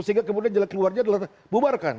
sehingga kemudian jalan keluar dia adalah membubarkan